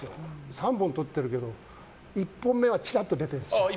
３本撮ってるけど１本目はちらっと出てるんです。